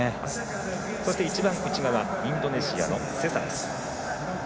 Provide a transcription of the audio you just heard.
一番内側はインドネシアの、セサです。